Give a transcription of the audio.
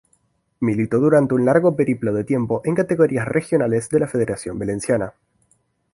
Militó durante un largo periplo de tiempo en categorías regionales de la federación valenciana.